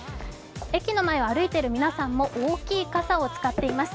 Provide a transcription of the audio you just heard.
駅の前を歩いている皆さんも大きい傘を使っています